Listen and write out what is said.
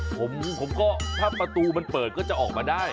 ผมก็ถ้าประตูมันเปิดก็จะออกมาได้